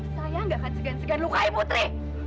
saya gak akan segan segan lukai putri